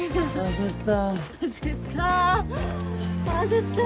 焦った。